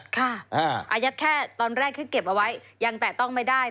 ค่ะอาญัตริย์แค่ตอนแรกเก็บเอาไว้ยังแต่ต้องไม่ได้